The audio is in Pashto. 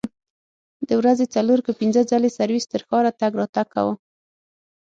د ورځې څلور که پنځه ځلې سرویس تر ښاره تګ راتګ کاوه.